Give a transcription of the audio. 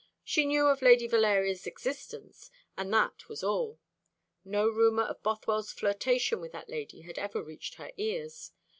She knew of Lady Valeria's existence, and that was all. No rumour of Bothwell's flirtation with that lady had ever reached her ears.